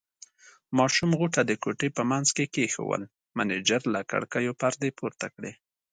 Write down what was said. ماشوم غوټه د کوټې په منځ کې کېښوول، مېنېجر له کړکیو پردې پورته کړې.